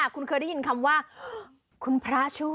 คุณเคยได้ยินคำว่าคุณพระช่วย